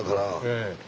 ええ。